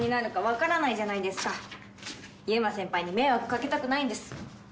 優馬先輩に迷惑掛けたくないんです。